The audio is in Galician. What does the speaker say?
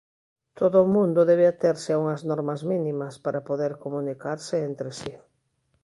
Todo o mundo debe aterse a unhas normas mínimas para poder comunicarse entre si.